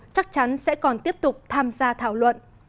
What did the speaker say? chắc chắn sẽ còn tiếp tục tham gia thảo luận